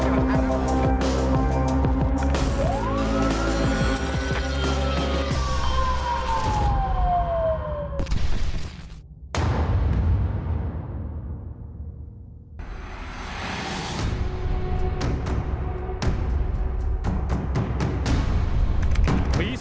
วันต่อไป